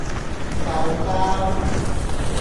壽包